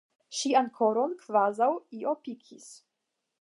Ŝian koron kvazaŭ io pikis.